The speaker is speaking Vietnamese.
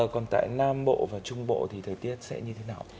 còn tại nam bộ và trung bộ thì thời tiết sẽ như thế nào